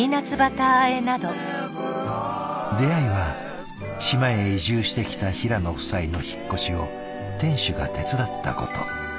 出会いは島へ移住してきた平野夫妻の引っ越しを店主が手伝ったこと。